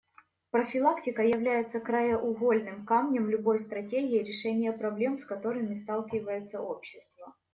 Профилактика является краеугольным камнем любой стратегии решения проблем, с которыми сталкивается общество.